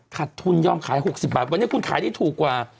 ทุนยอมขาย๖๐บาทวันนี้คุณขายได้ถูกกว่า